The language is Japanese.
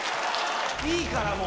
いいから、もう。